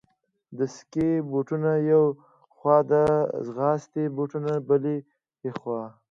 د سکې بوټونه یوې خوا، د ځغاستې بوټونه بلې خوا.